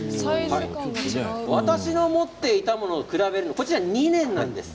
私の持っていたものに比べるとこちらは２年です。